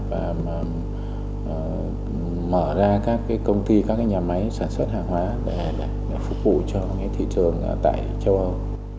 và mở ra các công ty các nhà máy sản xuất hàng hóa để phục vụ cho thị trường tại châu âu